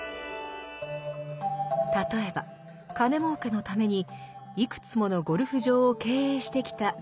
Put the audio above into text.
例えば金もうけのためにいくつものゴルフ場を経営してきたビジネスマン。